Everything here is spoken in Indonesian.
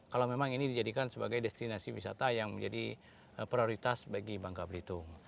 kalau memang ini dijadikan sebagai destinasi wisata yang menjadi prioritas bagi bangka belitung